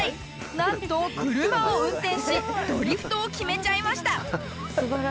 なんと車を運転しドリフトを決めちゃいました